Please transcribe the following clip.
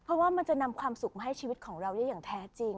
เพราะว่ามันจะนำความสุขมาให้ชีวิตของเราได้อย่างแท้จริง